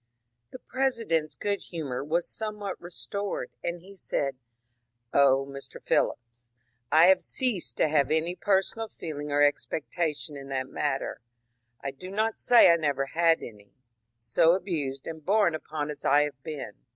The President's good humour was somewhat restored, and he said :^^ Oh, Mr. Phillips, I have ceased to have any personal feeling or expectation in that matter, — I do not say I never had any, — so abused and borne upon as I have been."